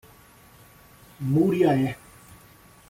Muriaé